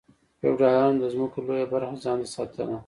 فیوډالانو د ځمکو لویه برخه ځان ته ساتله.